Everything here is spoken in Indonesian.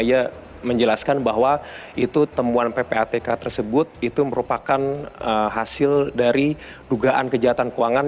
ia menjelaskan bahwa itu temuan ppatk tersebut itu merupakan hasil dari dugaan kejahatan keuangan